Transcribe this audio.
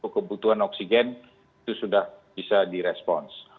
kebutuhan oksigen itu sudah bisa di response